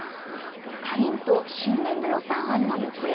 下院と新年度予算案の行方